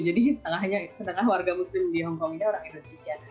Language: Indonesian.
jadi setengahnya warga muslim di hongkong ini orang indonesia